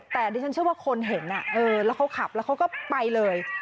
แต่ดิฉันเชื่อว่าคนเห็นแล้วเขาขับแล้วเขาก็ไปเลย